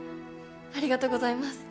ありがとうございます